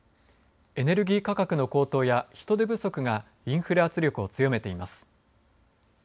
エネルギー価格の高騰や人手不足がインフレ圧力を強めています。